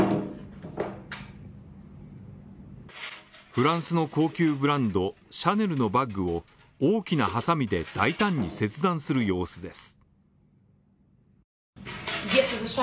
フランスの高級ブランドシャネルのバッグを大きなハサミで大胆に切断する様子です。